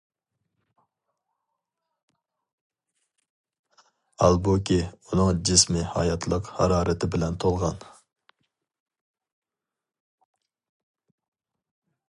ھالبۇكى، ئۇنىڭ جىسمى ھاياتلىق ھارارىتى بىلەن تولغان.